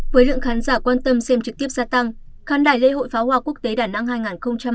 với lượng khán giả quan tâm xem trực tiếp gia tăng khán đài lễ hội pháo hoa quốc tế đà nẵng hai nghìn hai mươi bốn